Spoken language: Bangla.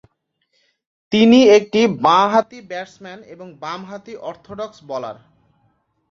তিনি একটি বাঁ-হাতি ব্যাটসম্যান এবং বাম হাতি অর্থোডক্স বোলার।